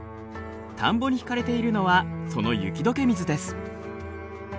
田んぼに引かれているのはその雪どけ水です。